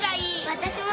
私も。